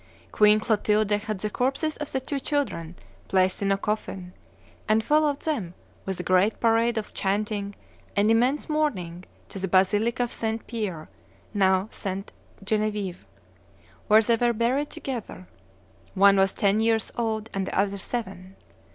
Queen Clotilde had the corpses of the two children placed in a coffin, and followed them, with a great parade of chanting, and immense mourning, to the basilica of St. Pierre (now St. Genevieve), where they were buried together. One was ten years old and the other seven.